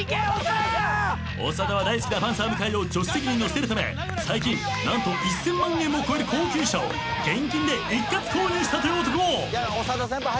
長田は大好きなパンサー向井を助手席に乗せるため最近何と１，０００万円を超える高級車を現金で一括購入したという男。